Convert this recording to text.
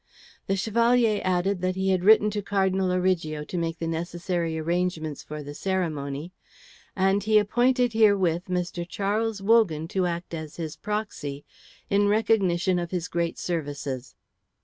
The Chevalier added that he had written to Cardinal Origo to make the necessary arrangements for the ceremony, and he appointed herewith Mr. Charles Wogan to act as his proxy, in recognition of his great services.